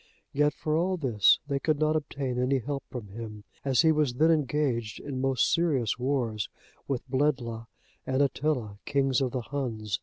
Yet, for all this, they could not obtain any help from him, as he was then engaged in most serious wars with Bledla and Attila, kings of the Huns.